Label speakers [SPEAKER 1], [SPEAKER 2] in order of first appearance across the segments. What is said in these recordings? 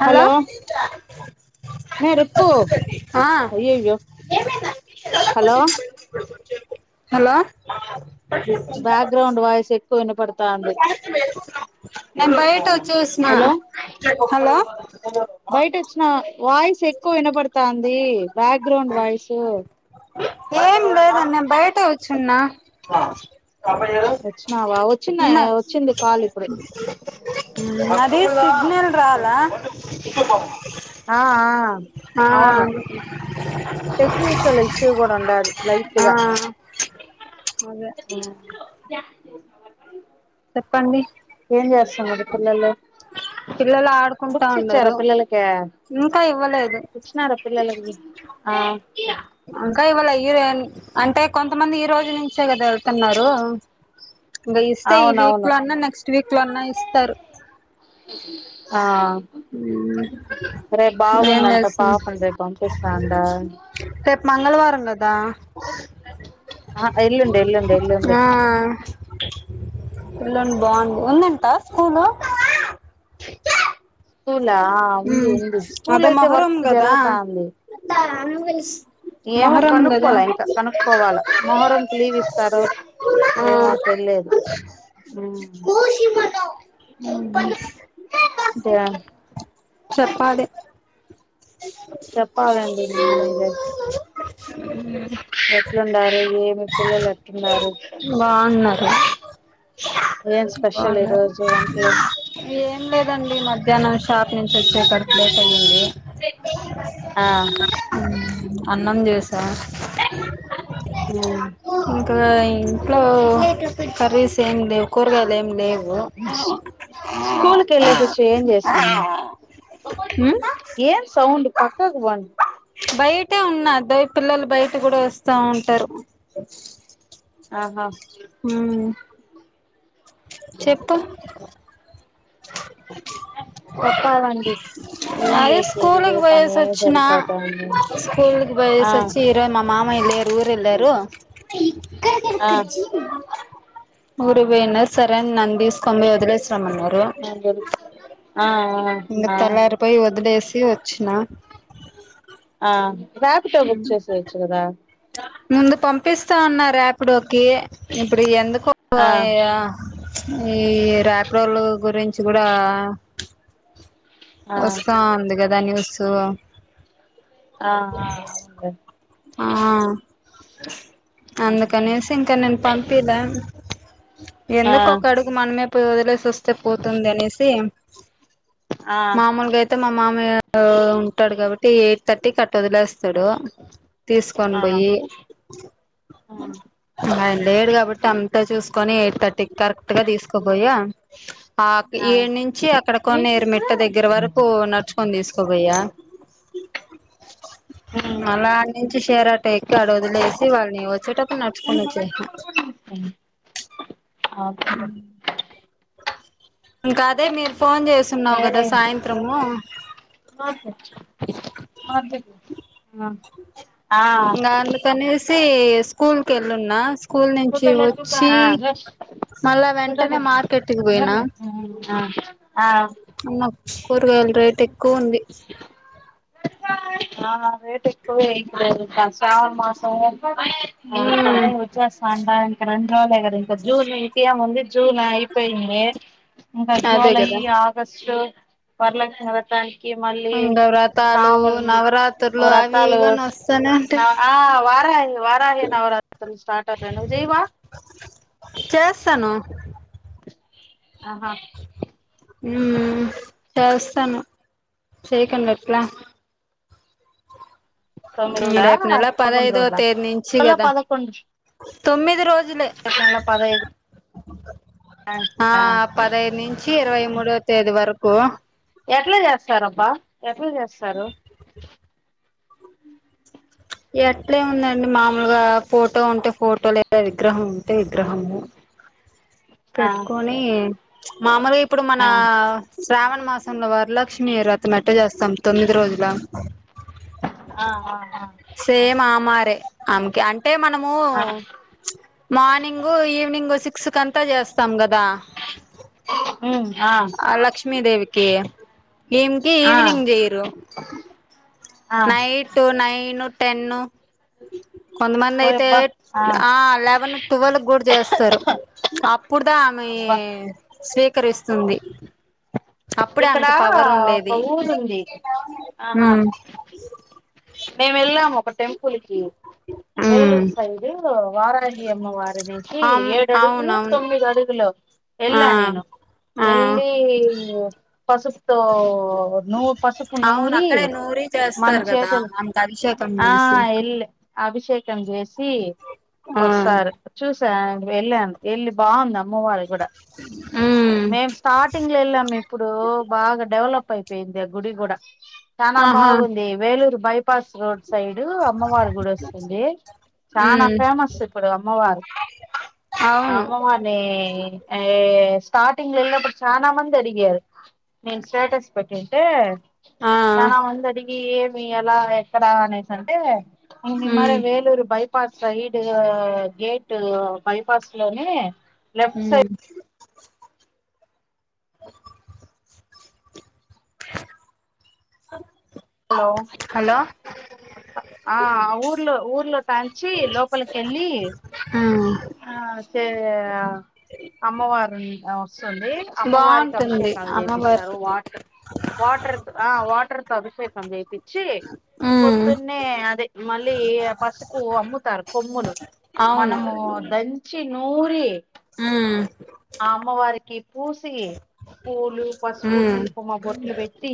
[SPEAKER 1] Hello
[SPEAKER 2] మే రుక్కు
[SPEAKER 1] ఆ
[SPEAKER 2] అయ్యయ్యో hello
[SPEAKER 1] hello
[SPEAKER 2] background voice ఎక్కువ వినపడతాంది
[SPEAKER 1] నేన్ బయట ఓ చూసిన
[SPEAKER 2] హలో
[SPEAKER 1] హలో
[SPEAKER 2] బయట వచ్చిన వాయిస్ ఎక్కువ వినబడుతాందీ బ్యాక్ గ్రౌండ్ వాయిసు
[SPEAKER 1] ఏం లేదే నే బయటే వచ్చున్నా ఉన్నారు
[SPEAKER 2] వచ్చినావా వచ్చిన వచ్చింది కాల్ ఇప్పుడు
[SPEAKER 1] అ ది సిగ్నల్ రాలా
[SPEAKER 2] ఆ ఆ
[SPEAKER 1] ఆ
[SPEAKER 2] అవును టెక్నికల్ ఇష్యూ కూడా ఉండాది
[SPEAKER 1] ఆ
[SPEAKER 2] లైట్గా
[SPEAKER 1] అదే
[SPEAKER 2] ఉమ్మ్
[SPEAKER 1] చెప్పండి
[SPEAKER 2] ఏం చేస్తున్నారు పిల్లలు
[SPEAKER 1] పిల్లలు ఆడుకుంటా
[SPEAKER 2] బుక్స్ ఇచ్చారా
[SPEAKER 1] ఉండరు
[SPEAKER 2] పిల్లలకే
[SPEAKER 1] ఇంకా ఇవ్వలేదు
[SPEAKER 2] ఇచ్చినారు పిల్లలకి ఆ
[SPEAKER 1] ఇంకా ఇవళ్ళే ఈ అంటే కొంతమంది ఈరోజు నుంచే కదా ఎళ్తున్నారు ఇంగ ఇస్తే
[SPEAKER 2] అవునవును
[SPEAKER 1] ఈవీక్లో అన్న నెక్స్ట్ వీక్లో అన్న ఇస్తారు
[SPEAKER 2] ఆ రేపు
[SPEAKER 1] ఏం
[SPEAKER 2] బాగుందంట
[SPEAKER 1] చేస్తుంది
[SPEAKER 2] పాపని రేపు పంపిస్తా అంట
[SPEAKER 1] వారం కదా
[SPEAKER 2] ఆహా ఎల్లుండి ఎల్లుండి ఎల్లుండి
[SPEAKER 1] ఆ పిల్లోనికి బాగుం ఉందంటా స్కూలు
[SPEAKER 2] స్కూలా ఉంది
[SPEAKER 1] ఉమ్మ్
[SPEAKER 2] ఉంది స్కూల్
[SPEAKER 1] అదే
[SPEAKER 2] అయితే
[SPEAKER 1] మొహరం
[SPEAKER 2] వర్క్
[SPEAKER 1] కదా
[SPEAKER 2] జరుగుతాంది ఏమో
[SPEAKER 1] మొహరం కదా
[SPEAKER 2] కనుక్కోలే ఇంక కనుక్కోవాలా మొహరంకి లీవ్ ఇస్తారో
[SPEAKER 1] ఆ
[SPEAKER 2] ఏమో తెలీదు ఉమ్మ్
[SPEAKER 1] ఉమ్మ్
[SPEAKER 2] ఇంకేం
[SPEAKER 1] చెప్పాలి
[SPEAKER 2] చెప్పాలండి మీరే ఎట్లుండారు ఏమి పిల్లలు ఎట్లున్నారు
[SPEAKER 1] బాగున్నారు
[SPEAKER 2] హ
[SPEAKER 1] బాగున్నారు ఏం లేదండి మధ్యాహ్నం షాప్ నుంచి వచ్చే సరికి లేట్ అయింది
[SPEAKER 2] ఆ
[SPEAKER 1] అన్నం చేసా ఇంకా ఈ ఇంట్లో కర్రీస్ ఏం లేవు కూరగాయలు ఏం లేవు
[SPEAKER 2] స్కూల్ కి వెళ్ళేసి వచ్చి ఏం చేసింది పకోడీ
[SPEAKER 1] ఉమ్
[SPEAKER 2] చేస్తున్న ఏం సౌండు పక్కకి పాండి
[SPEAKER 1] బయటే ఉన్న ద పిల్లలు బయట కూడా వస్తా ఉంటారు
[SPEAKER 2] ఆహా
[SPEAKER 1] ఉ చెప్పు
[SPEAKER 2] చెప్పాలండీ
[SPEAKER 1] అదే స్కూలుకి పొయ్యేసి వచ్చిన
[SPEAKER 2] సరిపోతాంది
[SPEAKER 1] స్కూలుకి
[SPEAKER 2] ఆ
[SPEAKER 1] పొయ్యేసి వచ్చి ఇరో మా మామయ్య ఏం ఊరు ఏళ్లారు
[SPEAKER 2] ఆ
[SPEAKER 1] ఊరు పోయిన సరే అని నన్ను తీసుకొని పోయి వదిలేసరమన్నారు
[SPEAKER 2] ఆ వెళ్ళు అ ఆ
[SPEAKER 1] ఇంగా తేలారి పోయి వదిలేసి వచ్చిన
[SPEAKER 2] ఆ రాపిడొ బుక్ చేసేయచ్చు కదా
[SPEAKER 1] ముందు పంపిస్తా అన్నా రాపిడొ కి ఇప్పుడు ఎందుకో ఈ ఆ ఈ రాపి డోలో గురించి గుడా
[SPEAKER 2] ఆ
[SPEAKER 1] వస్తాంది కదా దా న్యూసు
[SPEAKER 2] ఆ ఆ అవును
[SPEAKER 1] ఆ
[SPEAKER 2] ఆ
[SPEAKER 1] అందుకనేసి ఇంకా నేను పంపిలా ఎందుకు ఒక
[SPEAKER 2] ఆ
[SPEAKER 1] అడుగు మనమే పోయి వదిలేసి వస్తే పోతుంది అనేసి మామూలుగా అయితే మా మామయ్య ఉంటాడు కాబట్టి ఎయిట్ థర్టీకి అట్లా వదిలేస్ స్థాడు తీసుకొని
[SPEAKER 2] ఆ ఆ
[SPEAKER 1] పోయి ఆయన లేడు కాబట్టి అంత చే చూసుకొని ఎయిట్ థర్టీ కరెక్ట్ గా తీసుకోపోయా ఆ ఏడు నుంచి అక్కడ
[SPEAKER 2] నేనే
[SPEAKER 1] కొన్నిరు మిట్ట దగ్గర వరకు నడుచుకొని తీసుకోపోయా
[SPEAKER 2] చు
[SPEAKER 1] మళ నుంచి షేర్ ఆటో ఎక్కి అడ వదిలేసి వాళ్లని వచ్చేటప్పుడు నడుచుకొని వచ్చేసిన
[SPEAKER 2] అకు
[SPEAKER 1] ఇంకా అదే మీరు ఫోన్ చేస్తున్నావు కదా సాయంత్రము
[SPEAKER 2] [unintelligible] ఆ ఆ
[SPEAKER 1] ఇంగా అందుకనేసి స్కూల్ కి వెళ్ళున్నా స్కూల్ నుంచి
[SPEAKER 2] ఫోటోలు
[SPEAKER 1] వచ్చి
[SPEAKER 2] ఎత్తుకో.
[SPEAKER 1] మళ్ళా వెంటనే మార్కెట్ కి పోయినా
[SPEAKER 2] ఆ
[SPEAKER 1] అమ్మ కూరగాయలు రేట్ ఎక్కువ ఉంది
[SPEAKER 2] ఆ రేట్ ఎక్కువే ఇప్పుడు మ శ్రావణ మాసం ప
[SPEAKER 1] మ్మ్
[SPEAKER 2] వచ్చసాంటంక ఇంకా రస్ లోనే ఇంకా జూన్ ఇంక ఏ ముంది జూన్ అయిపోయింది ఇంకా
[SPEAKER 1] అదే
[SPEAKER 2] జూలై
[SPEAKER 1] కదా
[SPEAKER 2] ఆగస్ట్టు వరలక్ష్మి వ్రతాని కి మళ్ళీ
[SPEAKER 1] ఇంగ వ్రతాలు
[SPEAKER 2] సాములు నీ
[SPEAKER 1] నవరాత్రులు అవి
[SPEAKER 2] వ్రతాలు
[SPEAKER 1] ఇవని వస్తానే
[SPEAKER 2] నా
[SPEAKER 1] ఉంటాయి
[SPEAKER 2] ఆ వకి ఆ ఈ వారాహి నవరాత్రులు స్టార్ట్ అవుతాయి నువ్వు చెయ్యవా
[SPEAKER 1] చేస్తాను
[SPEAKER 2] ఆహా
[SPEAKER 1] హమ్ చేస్తాను చేయకండి ఎట్లా
[SPEAKER 2] తొమ్మిది
[SPEAKER 1] ఉమ్
[SPEAKER 2] రోజులా
[SPEAKER 1] రేపు నెల
[SPEAKER 2] పదకొండు
[SPEAKER 1] పదహైదవ
[SPEAKER 2] రోజులా
[SPEAKER 1] తేదీ నుంచి
[SPEAKER 2] నెల
[SPEAKER 1] కదా
[SPEAKER 2] పదకొండు
[SPEAKER 1] తొమ్మిది రోజులే
[SPEAKER 2] నెల పదైదు
[SPEAKER 1] ఆ పదిహైదు నుంచి ఇరవై మూడోవా తేదీ వరకు
[SPEAKER 2] ఎట్లా చేస్తారు అబ్బా ఎట్లా చేస్తారు
[SPEAKER 1] ఎట్లే ఎముదండి మామూలుగా ఫోటో ఉంటే ఫోటో లేదా విగ్రహం ఉంటే విగ్రహము
[SPEAKER 2] ఆ
[SPEAKER 1] పెట్కొని మామలుగా ఇప్పుడు మన
[SPEAKER 2] ఆ
[SPEAKER 1] శ్రావణ మాసంలో వారు వరలక్ష్మి రతం అయితే చేస్తాం తొమ్మిది రోజులా
[SPEAKER 2] ఆ
[SPEAKER 1] సేమ్ ఆమారే ఆమెకి అంటే మనము
[SPEAKER 2] ఆ
[SPEAKER 1] మార్నింగ్ ఈవినింగ్ సిక్స్ కలా అంత చేస్తాం కదా
[SPEAKER 2] అ
[SPEAKER 1] ఆ లక్ష్మీదేవికి ఈమెకి
[SPEAKER 2] ఆ
[SPEAKER 1] ఈవినింగ్ చేయరు
[SPEAKER 2] ఆ
[SPEAKER 1] నైట్ నైను టెను కొంతమంది అయితే ఆ లెవెన్ ట్వెల్ కూడా చేస్తారు అప్పుడు దా ఆమి
[SPEAKER 2] అబ్బా
[SPEAKER 1] స్వీకరిస్తుంది అప్పుడే
[SPEAKER 2] ఇక్కడ
[SPEAKER 1] ఆమెకు పవర్ ఉండేది
[SPEAKER 2] ఒక ఊరు ఉంది ఆహా
[SPEAKER 1] ఉమ్
[SPEAKER 2] మేము వెళ్ళాము ఒక టెంపుల్ కి
[SPEAKER 1] ఉమ్
[SPEAKER 2] వలూర్ సైడు వారాహి అమ్మవారి నుంచి
[SPEAKER 1] అమ్
[SPEAKER 2] ఏడు అడుగులు
[SPEAKER 1] అవునవును
[SPEAKER 2] తొమ్మిది అడుగులో
[SPEAKER 1] ఆ
[SPEAKER 2] ఎలా నేను
[SPEAKER 1] ఆ
[SPEAKER 2] ఎలి పసుపు తో ఓ నువు పసుపు
[SPEAKER 1] అవును
[SPEAKER 2] నూరి మన చేతులు
[SPEAKER 1] కలిసా తమ్
[SPEAKER 2] ఆ
[SPEAKER 1] చేసి
[SPEAKER 2] ఎల్ అభిషేకం చేసి
[SPEAKER 1] ఆ
[SPEAKER 2] వస్తారు చూసా వెళ్ళాను వెళ్ళి బాగుందిమ అమ్మవారు కూడా
[SPEAKER 1] ఉమ్
[SPEAKER 2] మేము స్టార్టింగ్ లో వెళ్ళాము ఇప్పుడు బాగా డెవలప్ అయిపో పోయింది గుడి కూడా చాలా
[SPEAKER 1] ఆహా
[SPEAKER 2] బాగుంది వేలూరు బైపాస్ రోడ్ సైడు అమ్మవారి గుడి వస్తుంది చనా
[SPEAKER 1] ఉమ్
[SPEAKER 2] ఫేమస్ ఇప్పుడు అమ్మవారు
[SPEAKER 1] అవును
[SPEAKER 2] అమ్మమ్మ నే ఏ స్టార్టింగ్ లో వెళ్ళినప్పుడు చానామంది అడిగారు నేను స్టేటస్ పెట్టింటే
[SPEAKER 1] ఆ
[SPEAKER 2] చాలా ముంది అడిగి ఏమి ఎలా ఎక్కడా అనేసి అంటే ఇది మన
[SPEAKER 1] ఉమ్
[SPEAKER 2] Vellore bypass pass side gate bypass లోనే లెఫ్ట్ సైడ్
[SPEAKER 1] హమ్ ఓ [inaudible]
[SPEAKER 2] హలో
[SPEAKER 1] హలో
[SPEAKER 2] ఆ ఊర్లో ఊర్లో తాంచి లోపలికి కెళ్ళి
[SPEAKER 1] ఉమ్
[SPEAKER 2] ఆ తే అమ్మవారు ఉంటా వస్తుంది అమ్మవారికి
[SPEAKER 1] బాగుంటుంది
[SPEAKER 2] అభిషేకాలు చేపిస్తారు
[SPEAKER 1] అమ్మవారికి
[SPEAKER 2] వాటి వాటర్ ఆ వాటర్ తో అభిషేకం చేపిచ్చి పోద్
[SPEAKER 1] ఉమ్
[SPEAKER 2] ద్దునే అదే మళ్ళీ పసుపు అమ్ముతారు కొమ్ములు
[SPEAKER 1] అవును
[SPEAKER 2] మనము దంచి నూరి
[SPEAKER 1] ఆమ్
[SPEAKER 2] ఆ అమ్మవారికి పూసి పూలు పసుపు
[SPEAKER 1] ఉమ్
[SPEAKER 2] కుంకుమా బొట్లు పెట్టి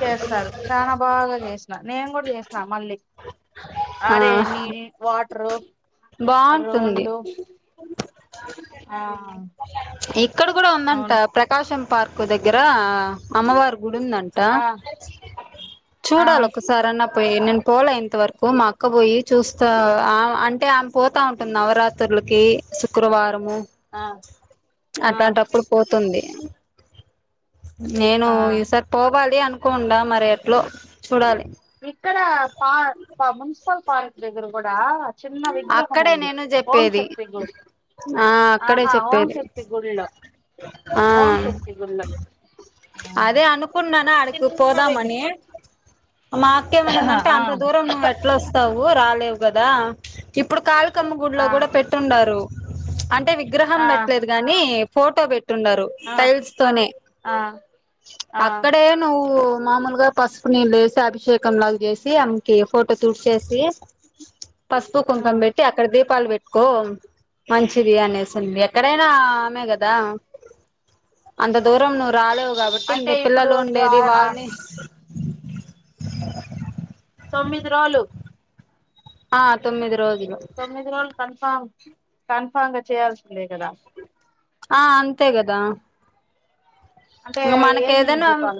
[SPEAKER 2] చేస్తారు చాలా బాగా చేసినారు నేను కూడా చేసిన మళ్ళీ అరే నీల్ వాటరు
[SPEAKER 1] బాంటుంది
[SPEAKER 2] రోళ్ళు ఆ
[SPEAKER 1] ఇక్కడ కూడా ఉందంట
[SPEAKER 2] అవును
[SPEAKER 1] ప్రకాశం పార్క్ దగ్గర అమ్మవారు గుడుందంట
[SPEAKER 2] ఆ ఆ
[SPEAKER 1] చూడాలి ఒకసారన్నా పోయి నేను పోలే ఇంతవరకు మా అక్క పోయి చూస్తా అంటే ఆమె పోతా ఉంటుంది నవరాత్రి లకి శుక్రవారము
[SPEAKER 2] ఆ ఆ
[SPEAKER 1] అట్లాంటప్పుడు పోతుంది నేను
[SPEAKER 2] ఆ
[SPEAKER 1] ఈసారి పోవాలి అనుకోండా మరి ఎట్లో చూడాలి
[SPEAKER 2] ఇక్కడ పా మున్సిపల్ ఫారెస్ట్ దగ్గర కూడా చిన్న విగ్రహం
[SPEAKER 1] అక్కడే
[SPEAKER 2] ఉంది
[SPEAKER 1] నేను చెప్పేది
[SPEAKER 2] ఓంశక్తి గు
[SPEAKER 1] ఆ అక్కడే
[SPEAKER 2] ఆహా ఓం
[SPEAKER 1] చెప్పేది
[SPEAKER 2] శక్తి గుళ్లు
[SPEAKER 1] ఆ
[SPEAKER 2] ఓం శక్తి గుళ్ళ
[SPEAKER 1] అదే అనుకున్నానా ఆడికి
[SPEAKER 2] విగ్
[SPEAKER 1] పోదామనీ మా అక్కేమనిందంటే
[SPEAKER 2] ఆ
[SPEAKER 1] అంత దూరం నువ్వు ఎట్లా వస్తావు రాలేవు కదా ఇప్పుడు కాలు అక్కమ్మ గుల్లో
[SPEAKER 2] ఆ
[SPEAKER 1] కూడా పెట్టుండారు. అంటే విగ్రహం
[SPEAKER 2] ఆ
[SPEAKER 1] పెట్టలేదు గాని ఫోటో పెట్ న్నారు
[SPEAKER 2] ఆ
[SPEAKER 1] టైల్స్ తోనే
[SPEAKER 2] ఆ ఆ
[SPEAKER 1] అక్కడే నువ్వు మామూలుగా పసుపు నీళ్ళు వేసి అభిషేకంలా చేసి ఆమెకి ఫోటో తుడ్చేసి పసుపు కుంకం
[SPEAKER 2] ఉమ్
[SPEAKER 1] పెట్టి అక్కడ దీపాలు పెట్ కో మంచిది అనేసింది ఎక్కడైనా ఆమె కదా అంత దూరం నువ్వు రాలేవు కాబట్టి ఇంక
[SPEAKER 2] అంటే ఇప్పుడు
[SPEAKER 1] పిల్లలు ఉండేది వాళ్ళని ఆ
[SPEAKER 2] తొమ్మిది రాలు
[SPEAKER 1] ఆ తొమ్మిది రోజు
[SPEAKER 2] తొమ్మిది రోజులు కన్ఫామ్ కన్ఫామ్ గా చేయాల్సిందే కదా
[SPEAKER 1] ఆ అంతే కదా
[SPEAKER 2] అంటే
[SPEAKER 1] మనకి
[SPEAKER 2] ఏమేమి
[SPEAKER 1] ఏదైనా
[SPEAKER 2] దీపాలు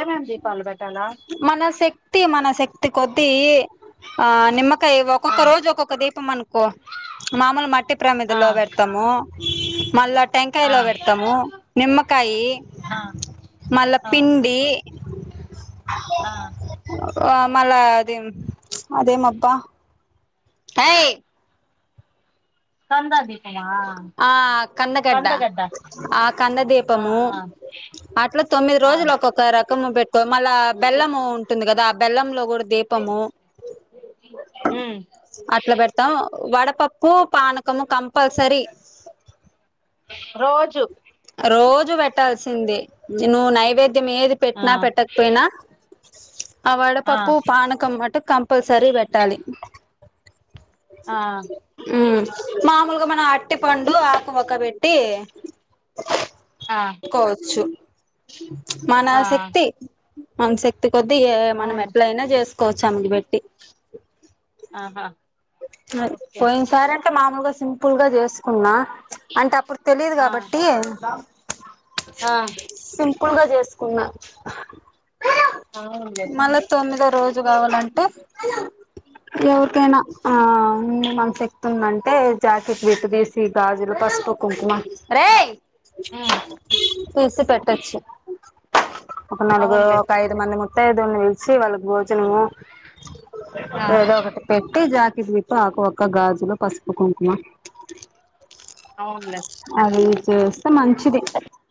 [SPEAKER 2] ఏమేం దీపాలు పెట్టాలా
[SPEAKER 1] మన శక్తి మనశక్తి కొద్దీ ఆ నిమ్మ ఒక్కొక్క రోజు ఒక్కొక్క దీపం అనుకో మాముూలు మట్టి ప్రమిదలో పెడతాము మల్లా టెంకాయలో పెడతాము నిమ్మకాయి మళ్ళా పిండి
[SPEAKER 2] ఆ
[SPEAKER 1] ఆ మల్ల అది అదేం అబ్బా హాయి
[SPEAKER 2] కందా ద
[SPEAKER 1] ఆ కన్నగడ్డ ఆ కంద
[SPEAKER 2] ఆ
[SPEAKER 1] దీపము
[SPEAKER 2] ఆ
[SPEAKER 1] అట్లా తొమ్మిది
[SPEAKER 2] ఆ
[SPEAKER 1] రోజులు ఒక్కొక్క రకము పెట్టు మళ్ళా బెల్లం ఉంటుంది కదా బెల్లంలో కూడా దీపము
[SPEAKER 2] మ్
[SPEAKER 1] అట్లా పెడతాం వడపప్పు పానకము కంపల్సరి
[SPEAKER 2] రోజు
[SPEAKER 1] రోజు పెట్టాల్సిందే నువ్వు నైవేద్ ఏది
[SPEAKER 2] ఆ
[SPEAKER 1] పెట్టినా పెట్టకపోయినా ఆ వడపప్పు పానకం క కంపల్సరీ పెట్టాలి
[SPEAKER 2] ఆ
[SPEAKER 1] ఉ మా లుగా మనం అట్టి పండు ఆకు వక్క పెట్టి
[SPEAKER 2] ఆ
[SPEAKER 1] కోవచ్చు మన
[SPEAKER 2] ఆ
[SPEAKER 1] శక్తి మన శక్తి కొద్ద్దీ ఇగ మనం
[SPEAKER 2] అవును
[SPEAKER 1] ఎట్లయినా చేస్ కోచామేకి పెట్టి
[SPEAKER 2] ఆహా ఓకే
[SPEAKER 1] పోయినసారి అంటే మామూలుగా సింపుల్ గా చేసుకున్నా అంటే అప్పుడు తెలిదు
[SPEAKER 2] ఆ
[SPEAKER 1] కాబట్ అ
[SPEAKER 2] ఆ
[SPEAKER 1] పులుగా చేసుకున్నా
[SPEAKER 2] అవునులే
[SPEAKER 1] మళ్ళా తొమ్మిదో రోజు కావాలంటే
[SPEAKER 2] ఆ
[SPEAKER 1] ఎవరికైనా ఆ మన శక్తుందంటే జాకెట్ విపదిసి గాజులు పసుపు కుంకుమ రే
[SPEAKER 2] మ్
[SPEAKER 1] తీసి పెట్టోచ్చు ఒక నాలుగు
[SPEAKER 2] అవునులే
[SPEAKER 1] ఒక ఐదు మంది ము త్త దోన్ని నిలిచి వాళ్ళకి భోజనము
[SPEAKER 2] ఆ
[SPEAKER 1] ఏదో ఒకటి పెట్టి జా విప్ప ఆకువక్క గాజులు పసుపు కుంకుమ
[SPEAKER 2] అవునులే
[SPEAKER 1] అది చేస్తే మంచిది